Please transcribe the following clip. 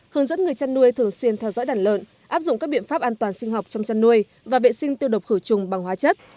hướng dẫn người chăn nuôi thường xuyên theo dõi đàn lợn áp dụng các biện pháp an toàn sinh học trong chăn nuôi và vệ sinh tiêu độc khử trùng bằng hóa chất